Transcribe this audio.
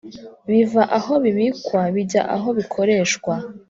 biva aho bibikwa bijya aho bikoreshwa